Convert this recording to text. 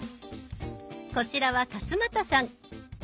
こちらは勝俣さん。